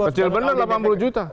kecil benar delapan puluh juta